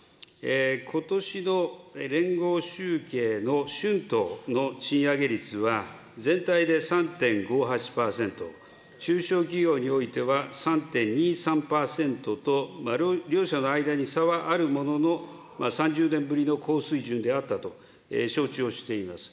ことしの連合集計の春闘の賃上げ率は全体で３．５８％、中小企業においては３．２３％と、両者の間に差はあるものの、３０年ぶりの高水準であったと承知をしています。